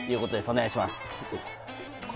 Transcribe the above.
お願いします